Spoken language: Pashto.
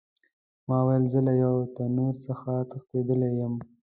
ما ویل زه له یو تنور څخه تښتېدلی یم.